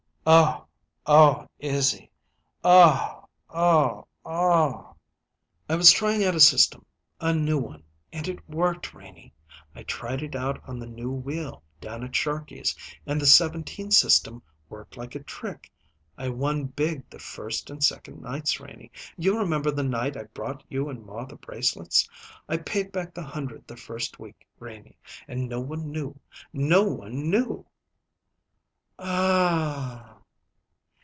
"Oh oh, Izzy! Oh oh oh!" "I was trying out a system a new one and it worked, Renie. I tried it out on the new wheel down at Sharkey's and the seventeen system worked like a trick. I won big the first and second nights, Renie you remember the night I brought you and ma the bracelets? I paid back the hundred the first week, Renie; and no one knew no one knew." "Oh h h h!"